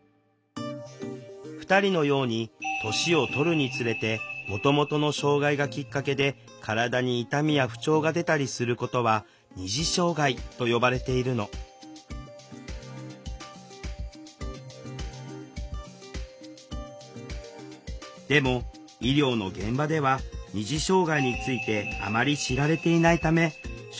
２人のように年をとるにつれてもともとの障害がきっかけで体に痛みや不調が出たりすることは「二次障害」と呼ばれているのでも医療の現場ではって言われたんですよ。